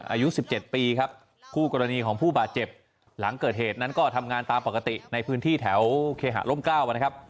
อายุ๑๗ปีครับคู่กรณีของผู้บาดเจ็บหลังเกิดเหตุนั้นก็ทำงานตามปกติในพื้นที่แถวเคหาร่มกล้าวนะครับ